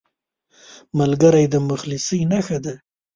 ملګری د مخلصۍ نښه ده